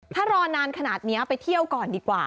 ถ้ารอนานขนาดนี้ไปเที่ยวก่อนดีกว่า